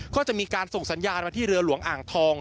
ก็จะมีการส่งสัญญาณมาที่เรือหลวงอ่างทอง